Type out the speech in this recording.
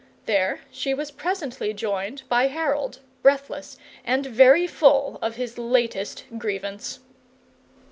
There she was presently joined by Harold, breathless and very full of his latest grievance.